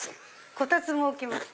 こたつも置きました。